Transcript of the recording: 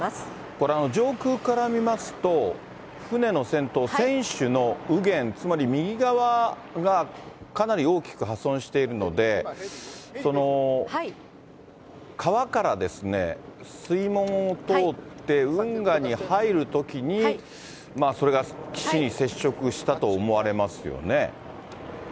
これ、上空から見ますと、船の先頭、船首の右げん、つまり右側がかなり大きく破損しているので、川から水門を通って、運河に入るときに、それが岸に接触したと思われますよね。